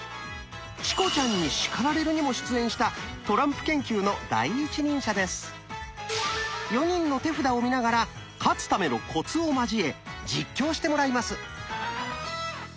「チコちゃんに叱られる！」にも出演した４人の手札を見ながら「勝つためのコツ」を交え実況してもらいます。